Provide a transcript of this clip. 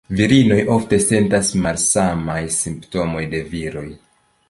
Virinoj ofte sentas malsamajn simptomoj de viroj.